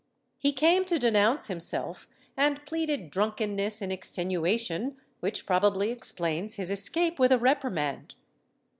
He came to denounce himself and pleaded drunkenness in extenua tion, which probably explains his escape with a reprimand.